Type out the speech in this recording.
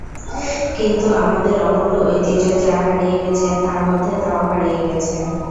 কিন্তু আমাদের অমূল্য ঐতিহ্য যা হারিয়ে গেছে তার মধ্যে তাও হারিয়ে গেছে।